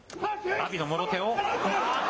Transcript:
阿炎のもろ手を、あっと。